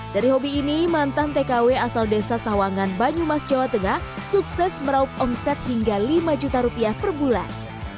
dari hobi ini mantan tkw asal desa sawangan banyumas jawa tengah sukses meraup omset hingga lima juta rupiah per bulan